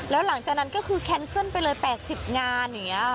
แล้วหลังจากนั้นก็คือแคนเซิลไปเลย๘๐งานอย่างนี้